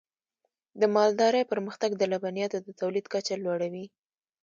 د مالدارۍ پرمختګ د لبنیاتو د تولید کچه لوړوي.